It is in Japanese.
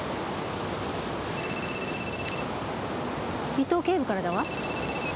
伊東警部からだわ。